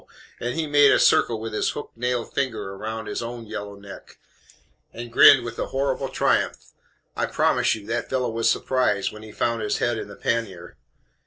And he made a circle with his hook nailed finger round his own yellow neck, and grinned with a horrible triumph. "I promise you that fellow was surprised when he found his head in the pannier.